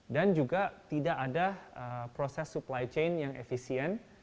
dan juga tidak ada proses supply chain yang efisien